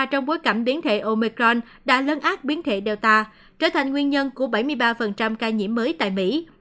trong bối cảnh biến thể omicron đã lấn át biến thể delta trở thành nguyên nhân của bảy mươi ba ca nhiễm mới tại mỹ